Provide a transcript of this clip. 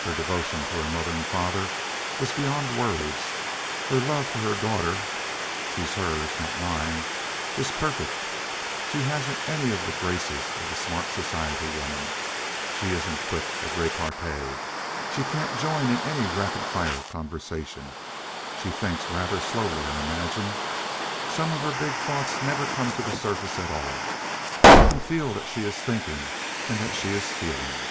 Her devotion to her mother and father was beyond words. Her love for her daughter—she's hers, not mine—is perfect. She hasn't any of the graces of the smart society woman. She isn't quick at repartee. She can't join in any rapid fire conversation. She thinks rather slowly, I imagine. Some of her big thoughts never come to the surface at all, but you can feel that she is thinking and that she is feeling."